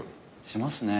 しますね。